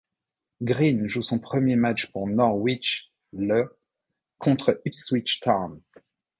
Green joue son premier match pour Norwich le contre Ipswich Town.